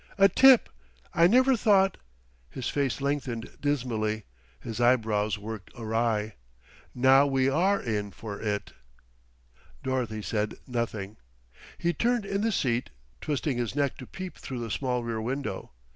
"A tip! I never thought !" His face lengthened dismally, his eyebrows working awry. "Now we are in for it!" Dorothy said nothing. He turned in the seat, twisting his neck to peep through the small rear window.